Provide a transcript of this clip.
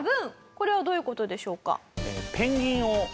これはどういう事でしょうか？